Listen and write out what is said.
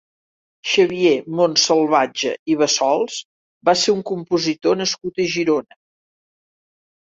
Xavier Montsalvatge i Bassols va ser un compositor nascut a Girona.